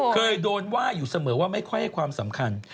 เคยโดนว่าอยู่เสมอว่าไม่ค่อยให้ความสำคัญ